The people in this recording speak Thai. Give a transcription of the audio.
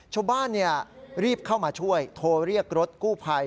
ชาวบ้านรีบเข้ามาช่วยโทรเรียกรถกู้ภัย